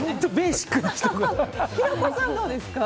平子さんはどうですか？